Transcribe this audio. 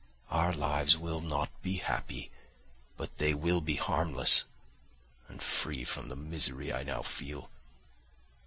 Our lives will not be happy, but they will be harmless and free from the misery I now feel.